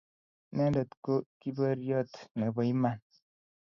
Inendet ko kiboryot nebo imanit.